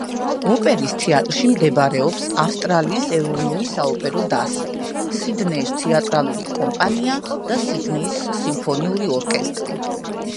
ოპერის თეატრში მდებარეობს ავსტრალიის ეროვნული საოპერო დასი, სიდნეის თეატრალური კომპანია და სიდნეის სიმფონიური ორკესტრი.